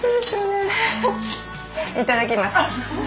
いただきます。